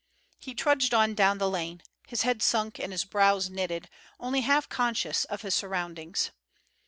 He trudged on down the lane, his head sunk and his brows knitted, only half conscious of his surroundings.